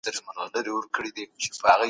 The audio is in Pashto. په کور کې د درس پر مهال شور نه جوړېږي.